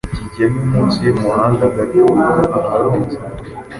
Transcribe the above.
Kigeme munsi y’umuhanda gato aharunze inkwi